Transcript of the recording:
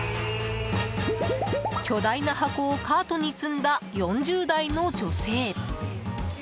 巨大な箱をカートに積んだ４０代の女性。